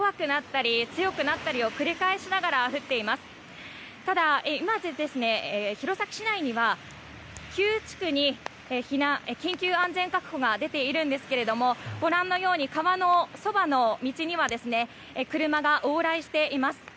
ただ、弘前市内には９地区に緊急安全確保が出ているんですけれども川のそばの道には車が往来しています。